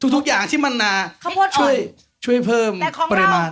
ทุกอย่างที่มันช่วยเพิ่มปริมาณ